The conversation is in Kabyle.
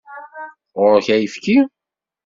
Ɣur-k ayefki?